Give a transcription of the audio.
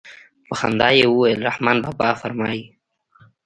په خندا يې وويل رحمان بابا فرمايي.